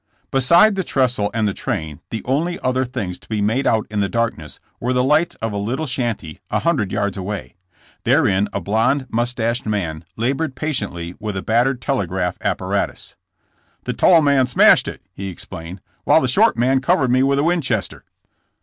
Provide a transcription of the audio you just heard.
Beside the trestle and the train, the only other things to be made out in the darkness were tha lights of a little shanty, a hundred yards away. Therein a blonde mustached man labored patiently with a bat tered telegraph apparatus. '' The tall man smashed it, '' he explained, '* while the short man covered me with a Winchester